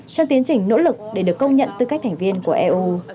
trong tiến trình nỗ lực để được công nhận tư cách thành viên của eu